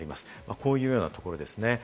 こういうようなところですね。